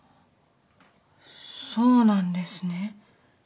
そうなんですね。